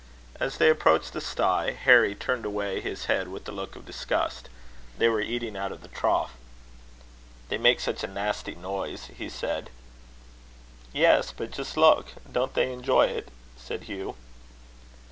As they approached the stye, Harry turned away his head with a look of disgust. They were eating out of the trough. "They make such a nasty noise!" he said. "Yes, but just look: don't they enjoy it?" said Hugh.